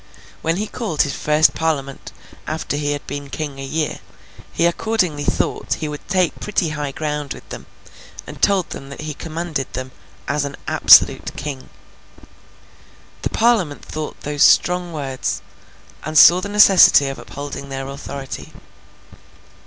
When he called his first Parliament after he had been king a year, he accordingly thought he would take pretty high ground with them, and told them that he commanded them 'as an absolute king.' The Parliament thought those strong words, and saw the necessity of upholding their authority.